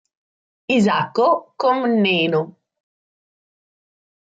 Isacco Comneno